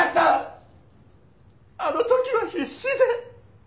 あの時は必死で！